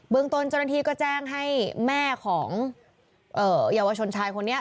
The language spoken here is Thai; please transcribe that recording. ตนเจ้าหน้าที่ก็แจ้งให้แม่ของเยาวชนชายคนนี้